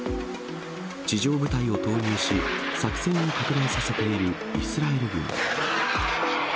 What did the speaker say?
地上部隊を投入し、作戦を拡大させているイスラエル軍。